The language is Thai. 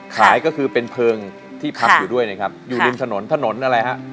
ขายก็คือเป็นเพลิงที่พักอยู่ด้วยนะครับอยู่ริมถนนถนนอะไรฮะ